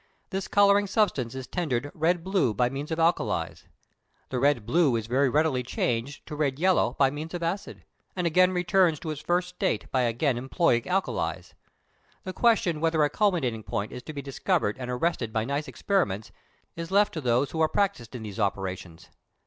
This colouring substance is tendered red blue by means of alkalis. The red blue is very readily changed to red yellow by means of acids, and again returns to its first state by again employing alkalis. The question whether a culminating point is to be discovered and arrested by nice experiments, is left to those who are practised in these operations.